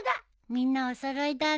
みんなお揃いだね。